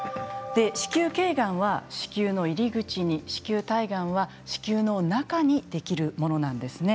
子宮けいがんは子宮の入り口に子宮体がんは子宮の中にできるものなんですね。